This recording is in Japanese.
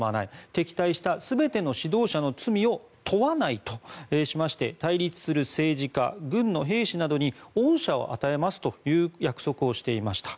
敵対した全ての指導者の罪を問わないとしまして対立する政治家・軍の兵士などに恩赦を与えますと約束をしていました。